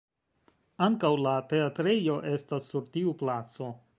Ankaŭ la teatrejo estas sur tiu placo.